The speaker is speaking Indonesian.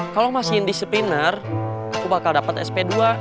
kalau masih indisipliner aku bakal dapet sp dua